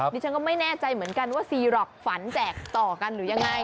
ดิฉันก็ไม่แน่ใจเหมือนกันว่าซีหรอกฝันแจกต่อกันหรือยังไง